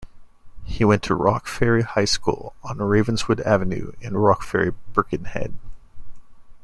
He went to Rock Ferry High School on Ravenswood Avenue in Rock Ferry, Birkenhead.